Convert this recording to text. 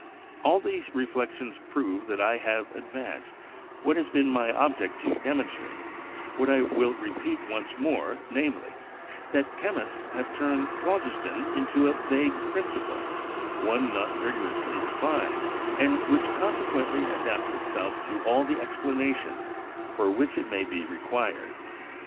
All these reflections prove what I have advanced, what it has been my object to demonstrate, what I will repeat once more, namely, that chemists have turned phlogiston into a vague principle, one not rigorously defined, and which consequently adapts itself to all the explanations for which it may be required.